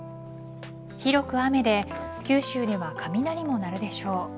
広く雨で九州では雷も鳴るでしょう。